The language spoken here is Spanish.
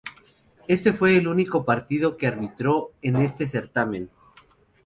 Este fue el único partido que arbitró en este certamen.